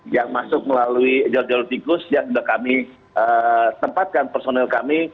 yang masuk melalui jalur jalur tikus yang sudah kami tempatkan personil kami